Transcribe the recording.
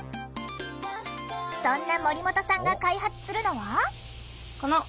そんな森本さんが開発するのは。